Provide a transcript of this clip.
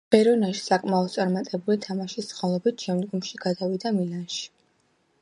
ვერონაში საკმაოდ წარმატებული თამაშის წყალობით, შემდგომში გადავიდა „მილანში“.